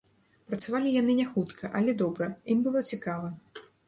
Працавалі яны не хутка, але добра, ім было цікава.